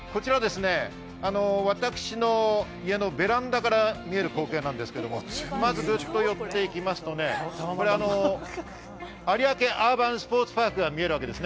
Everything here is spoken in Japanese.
私の家のベランダから見える光景なんですけど、ぐっと寄っていきますと有明アーバンスポーツパークが見えるわけです。